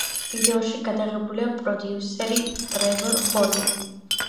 ვიდეოში გადაღებულია პროდიუსერი ტრევორ ჰორნი.